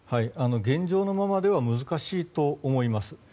現状のままでは難しいと思います。